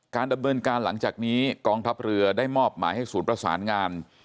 ดำเนินการหลังจากนี้กองทัพเรือได้มอบหมายให้ศูนย์ประสานงาน